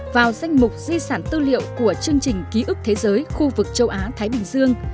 vào danh mục di sản tư liệu của chương trình ký ức thế giới khu vực châu á thái bình dương